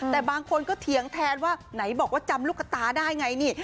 แต่บางคนก็เถียงแทนว่าไหนบอกว่าจำลูกกระตาได้ไงนี่